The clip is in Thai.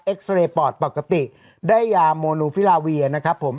ซาเรย์ปอดปกติได้ยาโมนูฟิลาเวียนะครับผม